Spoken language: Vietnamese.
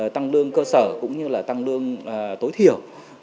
tăng lương cơ sở cũng như là tăng lương tối thiểu